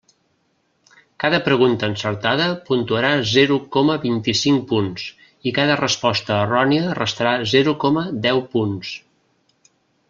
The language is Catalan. Cada pregunta encertada puntuarà zero coma vint-i-cinc punts i cada resposta errònia restarà zero coma deu punts.